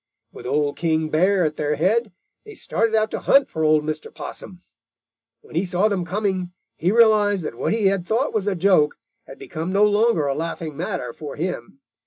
With Old King Bear at their head, they started out to hunt for old Mr. Possum. When he saw them coming, he realized that what he had thought was a joke had become no longer a laughing matter for him.